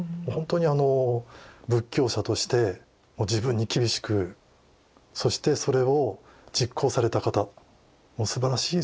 仏教者として自分に厳しくそしてそれを実行された方すばらしい